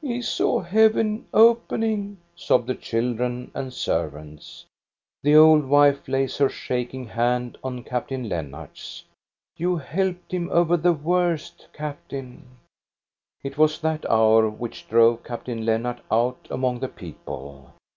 He saw heaven opening," sob the children and servants. The old wife lays her shaking hand on Captain Lennart's. " You helped him over the worst, captain." It was that hour which drove Captain Lennart out among the people.